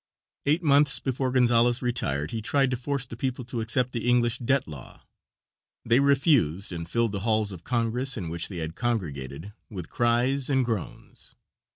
Eight months before Gonzales retired he tried to force the people to accept the English debt law. They refused, and filled the halls of Congress, in which they had congregated, with cries and groans.